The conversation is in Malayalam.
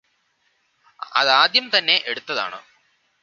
അതാദ്യം തന്നെ എടുത്തതാണ്